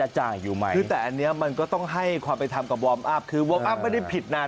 คือแต่อันเนี้ยมันก็ต้องให้ความไปทำกับคือไม่ได้ผิดนะ